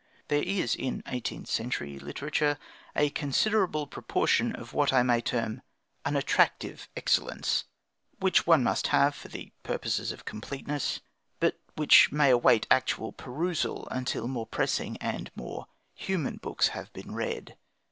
There is in eighteenth century literature a considerable proportion of what I may term "unattractive excellence," which one must have for the purposes of completeness, but which may await actual perusal until more pressing and more human books have been read.